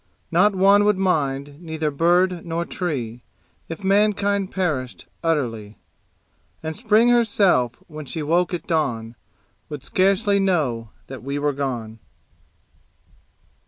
Not one would mind, neither bird nor tree If mankind perished utterly; And Spring herself, when she woke at dawn, Would scarcely know that we were gone.